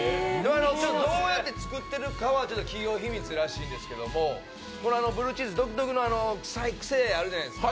どうやって作ってるかは企業秘密らしいんですけども、ブルーチーズ独特の癖、あるじゃないですか